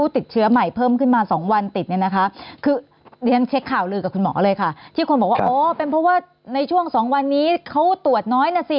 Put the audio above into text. ที่คนบอกว่าเออเป็นเพราะว่าในช่วงสองวันนี้เขาตรวจน้อยแน่นัดสิ